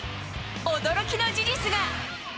驚きの事実が。